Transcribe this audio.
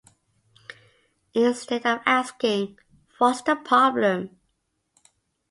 Instead of asking What's the problem?